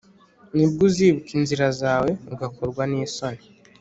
Ni bwo uzibuka inzira zawe ugakorwa n’isoni